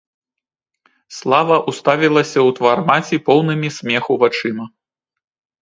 Слава ўставілася ў твар маці поўнымі смеху вачыма.